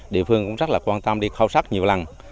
địa phương cũng rất là quan tâm đi khâu sắc nhiều lần